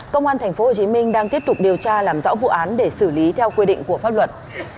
công an tp hcm đang tiếp tục điều tra làm rõ vụ án để xử lý theo quy định của pháp luật